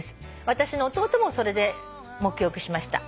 「私の弟もそれで沐浴しました」